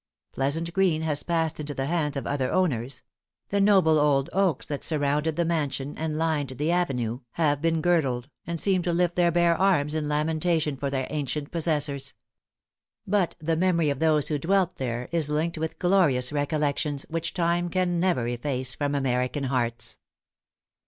Pleasant Green has passed into the hands of other owners; the noble old oaks that surrounded the mansion and lined the avenue, have been girdled, and seem to lift their bare arms in lamentation for their ancient possessors. But the memory of those who dwelt there is linked with glorious recollections, which time can never efface from American hearts.